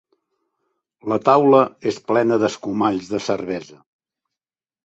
La taula és plena d'escumalls de cervesa.